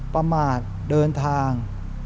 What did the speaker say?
ประมาทเดินทาง